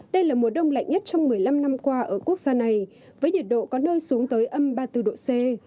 đây là mùa đông lạnh nhất trong một mươi năm năm qua ở quốc gia này với nhiệt độ có nơi xuống tới âm ba mươi bốn độ c